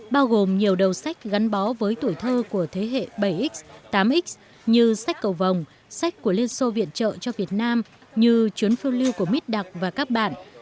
bao gồm nhiều đầu sách gắn bó với tuổi thơ của thế hệ bảy x tám x như sách cầu vòng sách của liên xô viện trợ cho việt nam như chuyến phương lưu của mez đặc và các bạn